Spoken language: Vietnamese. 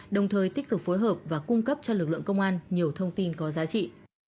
đồng thời tích cực phối hợp và cung cấp cho lực lượng công an nhiều thông tin có giá trị